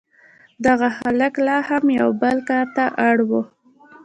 دغه هلک لا هم یو بل کار ته اړ و